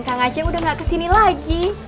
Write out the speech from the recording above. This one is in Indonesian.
kang aceh udah gak kesini lagi